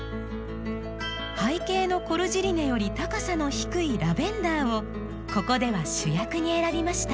背景のコルジリネより高さの低いラベンダーをここでは主役に選びました。